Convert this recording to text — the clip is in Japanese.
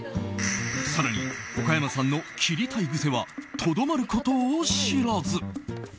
更に岡山さんの切りたい癖はとどまることを知らず。